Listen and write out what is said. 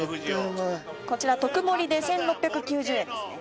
こちら特盛りで１６９０円ですね。